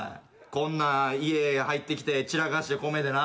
こんな家入ってきて散らかして米でな。